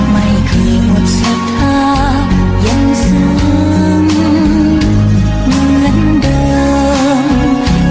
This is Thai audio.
ไม่เคยหมดศรัทธายังสูงเหมือนเดิม